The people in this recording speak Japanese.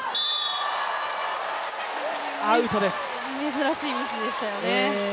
珍しいミスでしたよね。